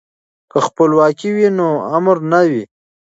که خپلواکي وي نو امر نه وي.